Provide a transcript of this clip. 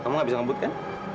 kamu gak bisa ngebut kan